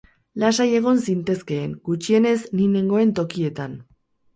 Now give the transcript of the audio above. Lasai egon zintezkeen, gutxienez ni nengoen tokietan.